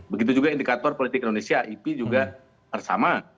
begitu juga indikator politik indonesia ip juga sama